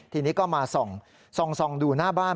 ทีนี้ก็มาทรนส่องดิงดูหน้าบ้าน